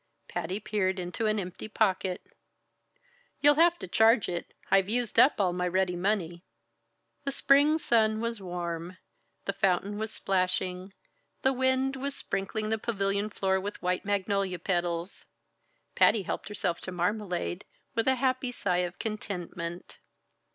Patty peered into an empty pocket. "You'll have to charge it. I've used up all my ready money." The spring sun was warm, the fountain was splashing, the wind was sprinkling the pavilion floor with white magnolia petals. Patty helped herself to marmalade with a happy sigh of contentment.